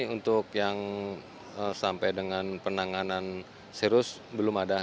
untuk yang sampai dengan penanganan serius belum ada